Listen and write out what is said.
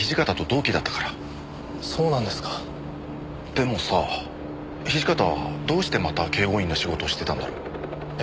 でもさ土方はどうしてまた警護員の仕事をしてたんだろう？え？